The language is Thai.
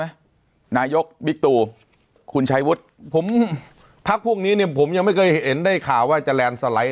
ไหมนายกบิทูคุณชัยวุชผมภาพพวกนี้ผมยังไม่เคยเห็นได้ข่าวว่าจะแลนสไลซ์